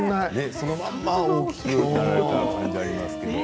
そのまま大きくなられた感じがありますけど。